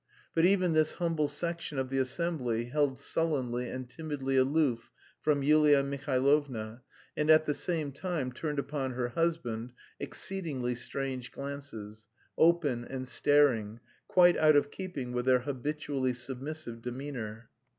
But even this humble section of the assembly held sullenly and timidly aloof from Yulia Mihailovna and at the same time turned upon her husband exceedingly strange glances, open and staring, quite out of keeping with their habitually submissive demeanour.